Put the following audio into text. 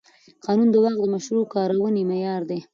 قانون د واک د مشروع کارونې معیار دی.